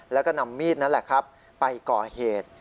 แล้วก็นำมีดนั่นแหละครับไปก่อเหตุ